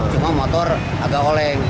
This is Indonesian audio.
cuma motor agak oleng